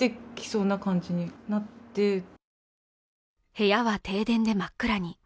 部屋は停電で真っ暗に。